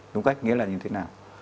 đúng cách nghĩa là như thế nào